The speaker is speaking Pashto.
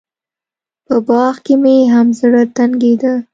په باغ کښې مې هم زړه تنګېده.